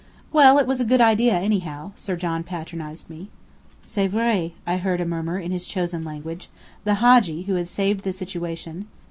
"Well, it was a good idea, anyhow," Sir John patronized me. "C'est vrai," I heard murmur in his chosen language, the Hadji, who had saved the situation.